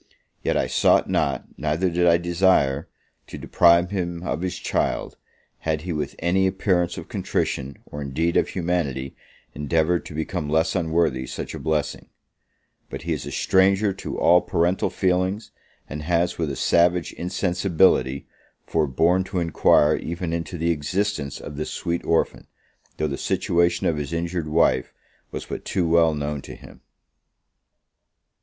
Yet I sought not, neither did I desire, to deprive him of his child, had he with any appearance of contrition, or, indeed, of humanity, endeavoured to become less unworthy such a blessing; but he is a stranger to all parental feelings, and has with a savage insensibility, forborne to enquire even into the existence of this sweet orphan, though the situation of his injured wife was but too well known to him.